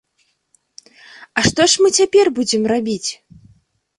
А што ж мы цяпер будзем рабіць?